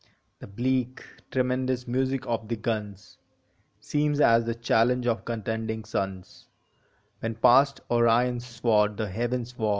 The bleak, tremendous music of the guns Seems as the challenge of contending suns When past Orion s sword the heavens war.